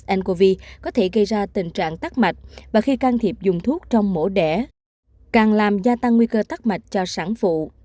ncov có thể gây ra tình trạng tắc mạch và khi can thiệp dùng thuốc trong mổ đẻ càng làm gia tăng nguy cơ tắc mạch cho sản phụ